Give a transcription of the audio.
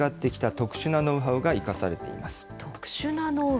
特殊なノウハウ？